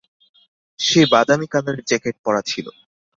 সে বাদামী কালারের জ্যাকেট পরা ছিল।